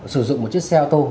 sử dụng một chiếc xe ô tô